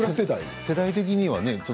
世代的にはね。